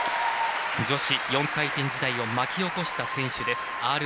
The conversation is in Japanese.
女子４回転時代を巻き起こした選手です。